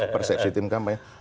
persepsi tim kampanye